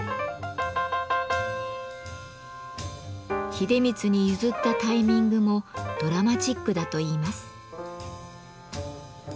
秀満に譲ったタイミングもドラマチックだといいます。